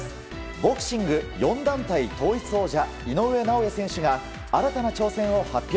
ボクシング４団体統一王者井上尚弥選手が新たな挑戦を発表。